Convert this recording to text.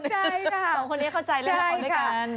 เข้าใจสองคนเนี่ยเข้าใจแล้วละครด้วยกัน